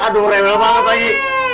aduh rewel banget pagi